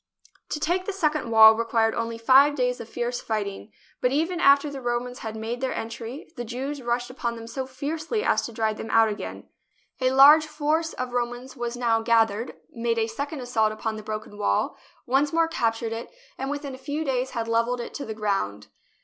To take the second wall required only five days of fierce fighting, but even after the Romans had JERUSALEM made their entiy, the Jews rushed upon them so fiercely as to drive them out again. A large force of Romans was now gathered, made a second assault upon the broken wall, once more captured it, and within a few days had levelled it to the ground.